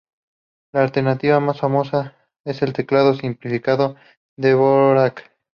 La alternativa más famosa es el Teclado Simplificado Dvorak.